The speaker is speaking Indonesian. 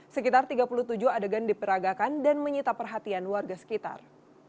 sekitar tiga puluh tujuh adegan diperagakan dan menyita perhatian warga sekitar